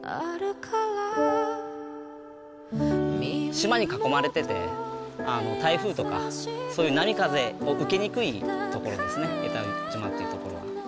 島に囲まれてて台風とかそういう波風を受けにくい所ですね江田島という所は。